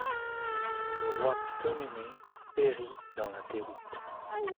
Le roi Ptolémée périt dans la déroute.